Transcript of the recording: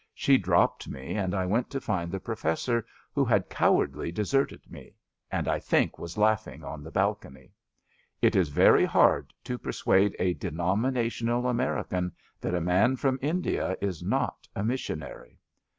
She dropped me and I went to find the Professor, who had cowardly deserted me, and I think was langhing on the balcony. It is very hard to persuade a denominational American that a man from India is not a missionary.